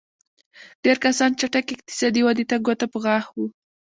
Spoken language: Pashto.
ډېری کسان چټکې اقتصادي ودې ته ګوته په غاښ وو.